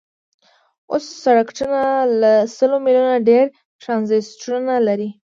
اوس سرکټونه له سلو میلیونو ډیر ټرانزیسټرونه لري.